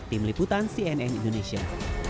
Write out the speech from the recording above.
tim liputan cnn indonesia